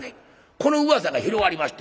このうわさが広がりまして。